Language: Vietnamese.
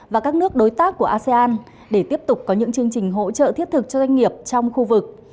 và các nước đối tác của asean để tiếp tục có những chương trình hỗ trợ thiết thực cho doanh nghiệp trong khu vực